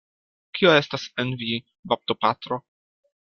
Kio estas en vi, baptopatro?